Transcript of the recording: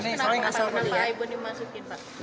kenapa aibon dimasukin pak